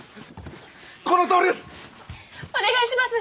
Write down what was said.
このとおりです！